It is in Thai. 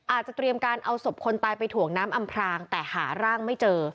อาจจะเตรียมการเอาศพคนตายไปถ่วงน้ำอำพรางแต่หาร่างไม่เจอ